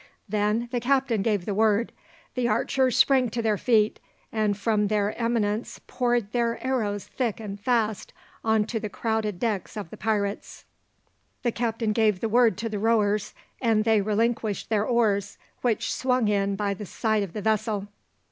Then the captain gave the word. The archers sprang to their feet, and from their eminence poured their arrows thick and fast on to the crowded decks of the pirates. The captain gave the word to the rowers, and they relinquished their oars, which swung in by the side of the vessel.